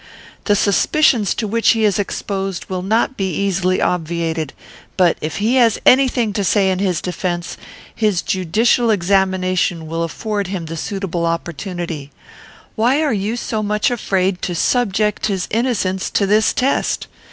The suspicions to which he is exposed will not easily be obviated; but, if he has any thing to say in his defence, his judicial examination will afford him the suitable opportunity. Why are you so much afraid to subject his innocence to this test?